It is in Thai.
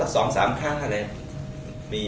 สองสามห้าครั้งอะไร